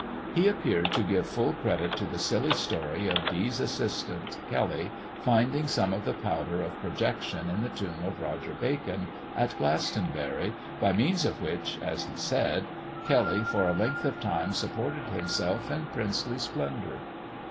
He appeared to give full credit to the silly story of Dee's assistant, Kelly, finding some of the powder of projection in the tomb of Roger Bacon, at Glastonbury, by means of which, as he said, Kelly for a length of time supported himself in princely splendour.